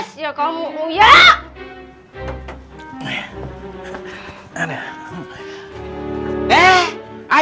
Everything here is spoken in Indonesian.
biar kamu sadar